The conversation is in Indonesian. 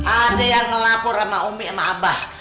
ada yang ngelapor sama umi sama abah